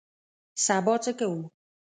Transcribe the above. سبا څه کوو؟